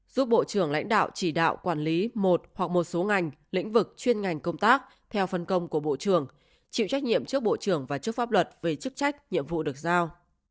giúp bộ trưởng lãnh đạo chỉ đạo quản lý một hoặc một số ngành lĩnh vực chuyên ngành công tác theo phân công của bộ trưởng chịu trách nhiệm trước bộ trưởng và trước pháp luật về chức trách nhiệm vụ được giao